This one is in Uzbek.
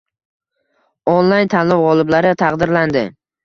Onlayn tanlov g‘oliblari taqdirlandi